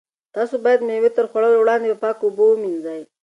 تاسو باید مېوې تر خوړلو وړاندې په پاکو اوبو ومینځئ.